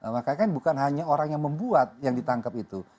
makanya kan bukan hanya orang yang membuat yang ditangkap itu